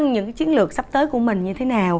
những chiến lược sắp tới của mình như thế nào